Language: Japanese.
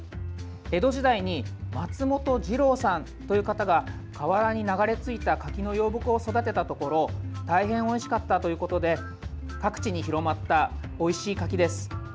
江戸時代に松本治郎さんという方が河原に流れ着いた柿の幼木を育てたところ大変おいしかったということで各地に広まった、おいしい柿です。